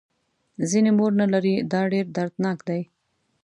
ځینې مور نه لري دا ډېر دردناک دی.